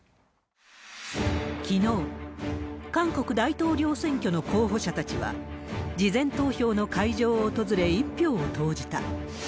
きのう、韓国大統領選挙の候補者たちは、事前投票の会場を訪れ、１票を投じた。